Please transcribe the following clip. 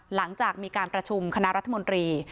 หลังจากมีการประชุมคณะรัฐมนตรี